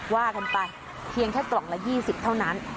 ว่ากันไปเพียงแค่กล่องละ๒๐เท่านั้น